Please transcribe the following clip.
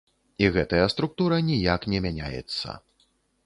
І гэтая структура ніяк не мяняецца.